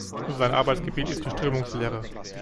Sein Arbeitsgebiet ist die Strömungslehre.